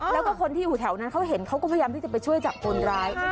แล้วก็คนที่อยู่แถวนั้นเขาเห็นเขาก็พยายามที่จะไปช่วยจับคนร้าย